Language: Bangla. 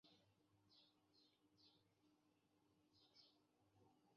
অনুমতি খারিজ, স্পেয়ার।